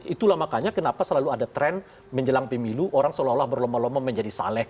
itulah makanya kenapa selalu ada tren menjelang pemilu orang seolah olah berlomba lomba menjadi saleh